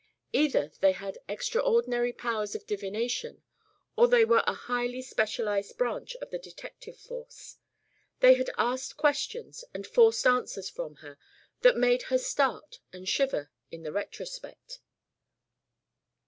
Either they had extraordinary powers of divination, or they were a highly specialised branch of the detective force. They had asked questions and forced answers from her that made her start and shiver in the retrospect.